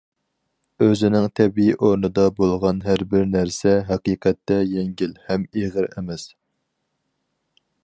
ئۆزىنىڭ تەبىئىي ئورنىدا بولغان ھەر بىر نەرسە ھەقىقەتتە يەڭگىل ھەم ئېغىر ئەمەس.